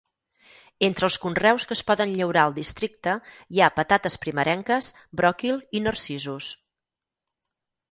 Entre els conreus que es poden llaurar al districte hi ha patates primerenques, bròquil i narcisos.